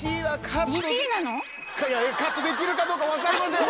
カットできるかどうか分かりません